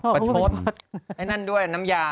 ประชดไอ้นั่นด้วยน้ำยา